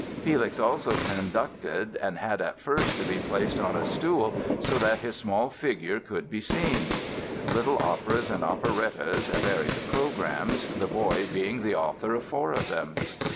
Felix also conducted and had at first to be placed on a stool so that his small figure could be seen. Little operas and operettas varied the programs, the boy being the author of four of them.